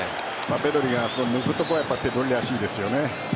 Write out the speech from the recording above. ペドリがあそこ抜くところペドリらしいですよね。